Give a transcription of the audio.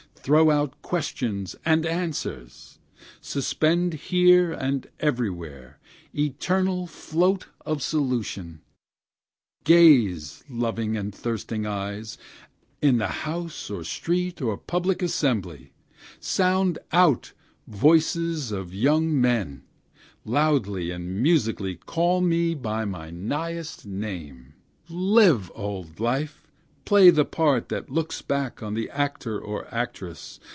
throw out questions and answers! Suspend here and everywhere, eternal float of solution! Blab, blush, lie, steal, you or I or any one after us! Gaze, loving and thirsting eyes, in the house, or street, or public assembly! Sound out, voices of young men! loudly and musically call me by my nighest name! Live, old life! play the part that looks back on the actor or actress!